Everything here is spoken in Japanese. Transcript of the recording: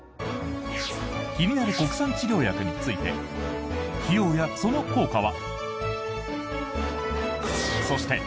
気になる国産治療薬について費用や、その効果は？